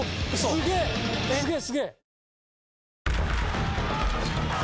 すげえすげえ！